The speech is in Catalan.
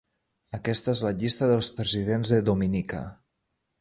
Aquesta és la llista dels presidents de Dominica.